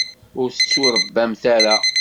Ur tettuṛebbamt ara.